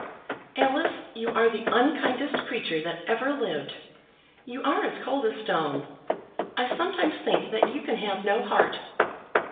"Alice, you are the unkindest creature that ever lived. You are as cold as stone. I sometimes think that you can have no heart."